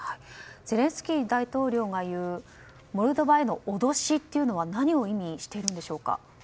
ゼレンスキー大統領が言うモルドバへの脅しとは何を意味しているのでしょうか？